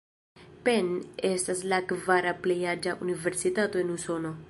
Penn estas la kvara plej aĝa universitato en Usono.